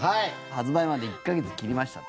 発売まで１か月切りました。